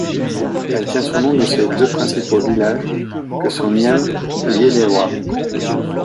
Elle tient son nom de ses deux principaux villages que sont Niem et Yéléwa.